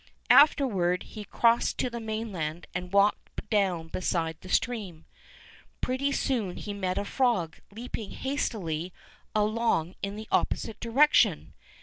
Afterward he crossed to the mainland and walked down beside the stream. Pretty soon he met a frog leaping hastily along in the opposite direction.